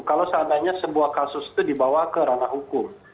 kalau seandainya sebuah kasus itu dibawa ke ranah hukum